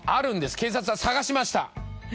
警察は探しました